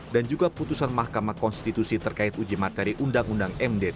dan juga putusan mahkamah konstitusi terkait uji materi undang undang md tiga